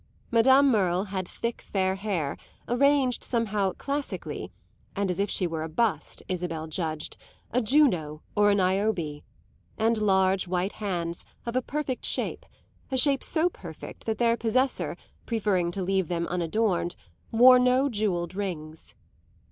Madame Merle had thick, fair hair, arranged somehow "classically" and as if she were a Bust, Isabel judged a Juno or a Niobe; and large white hands, of a perfect shape, a shape so perfect that their possessor, preferring to leave them unadorned, wore no jewelled rings.